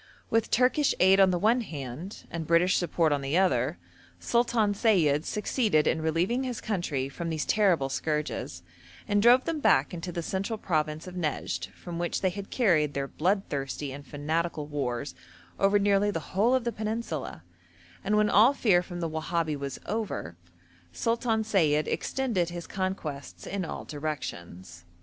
With Turkish aid on the one hand, and British support on the other, Sultan Sayid succeeded in relieving his country from these terrible scourges, and drove them back into the central province of Nejd, from which they had carried their bloodthirsty and fanatical wars over nearly the whole of the peninsula, and, when all fear from the Wahabi was over, Sultan Sayid extended his conquests in all directions.